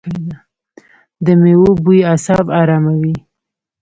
د میوو بوی اعصاب اراموي.